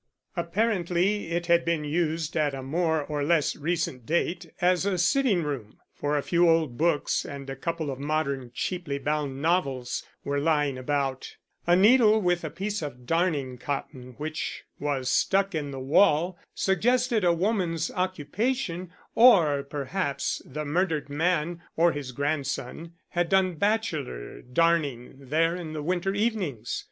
Apparently it had been used at a more or less recent date as the sitting room, for a few old books and a couple of modern cheaply bound novels were lying about; a needle with a piece of darning cotton which was stuck in the wall suggested a woman's occupation, or perhaps the murdered man or his grandson had done bachelor darning there in the winter evenings.